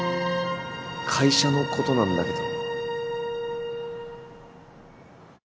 会社のことなんだけど。